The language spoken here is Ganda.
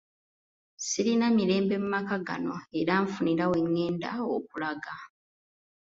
Sirina mirembe mu maka gano era nfunira we ngenda okulaga.